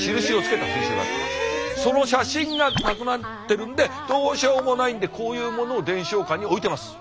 その写真がなくなってるんでどうしようもないんでこういうものを伝承館に置いてます。